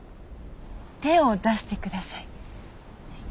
手を出して下さい。